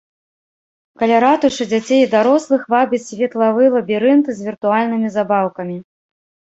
Каля ратушы дзяцей і дарослых вабіць светлавы лабірынт з віртуальнымі забаўкамі.